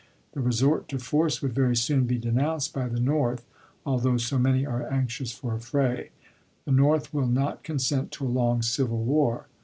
The resort to force would very soon be denounced by the North, although so many are anxious for a fray. The North will not consent to a long civil war.